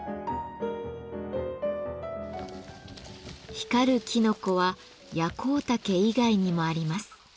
光るきのこはヤコウタケ以外にもあります。